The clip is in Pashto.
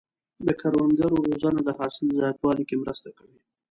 د کروندګرو روزنه د حاصل زیاتوالي کې مرسته کوي.